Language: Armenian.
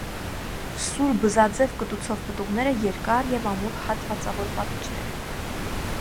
Սուր բզաձև կտուցով պտուղները երկար և ամուր հատվածավոր պատիճներ են։